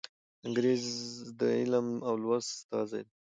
انګریز د علم او لوست استازی دی.